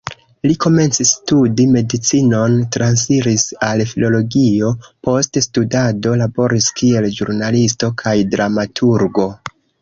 Li komencis studi medicinon, transiris al filologio, post studado laboris kiel ĵurnalisto kaj dramaturgo.